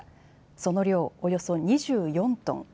その量、およそ２４トン。